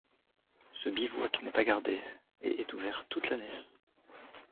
Ce bivouac n'est pas gardé et est ouvert toute l'année.